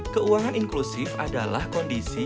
keuangan inklusif adalah kondisi